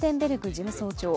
事務総長。